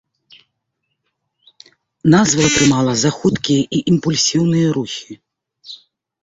Назву атрымала за хуткія і імпульсіўныя рухі.